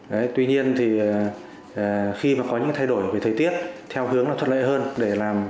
để giúp đỡ các khu vực các khu vực các khu vực các khu vực các khu vực các khu vực